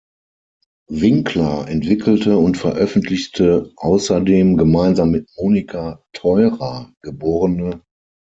Winkler entwickelte und veröffentlichte außerdem gemeinsam mit Monika Theurer, geb.